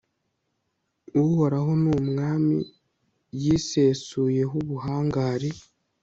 uhoraho ni umwami, yisesuyeho ubuhangare